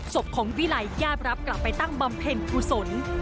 ศพของวิลัยญาติรับกลับไปตั้งบำเพ็ญกุศล